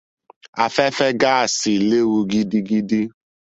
Afẹ́fẹ́ gáásì léwu gidigidi.